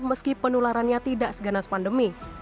meski penularannya tidak seganas pandemi